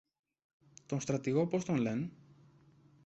το στρατηγό πώς τον λεν;